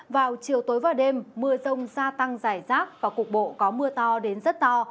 vào chiều tối và đêm mưa rông gia tăng dài rác và cục bộ có mưa to đến rất to